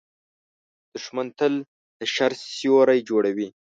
دښمن تل د شر سیوری جوړوي